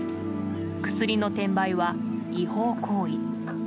薬の転売は違法行為。